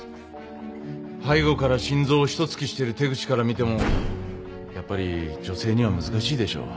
背後から心臓を一突きしてる手口から見てもやっぱり女性には難しいでしょ。